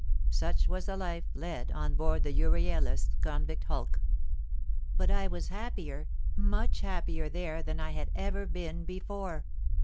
"Such was the life led on board the Euryalus convict hulk. But I was happier—much happier there than I had ever been before.